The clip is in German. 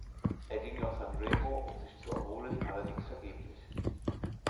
Er ging nach Sanremo um sich zu erholen, allerdings vergeblich.